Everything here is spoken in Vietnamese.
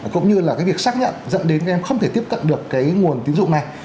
cũng như là cái việc xác nhận dẫn đến các em không thể tiếp cận được cái nguồn tín dụng này